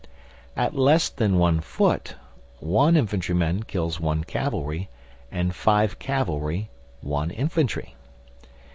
At less than one foot one infantry man kills one cavalry, and five cavalry one infantry.